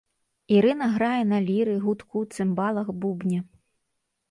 Ірына грае на ліры, гудку, цымбалах, бубне.